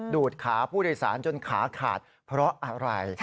ดูดขาผู้โดยสารจนขาขาดเพราะอะไร